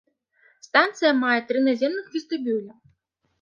Станцыя мае тры наземных вестыбюля.